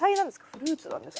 フルーツなんですか？